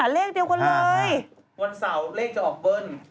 ๕๕เลขเดียวกันเลย